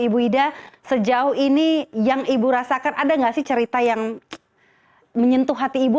ibu ida sejauh ini yang ibu rasakan ada nggak sih cerita yang menyentuh hati ibu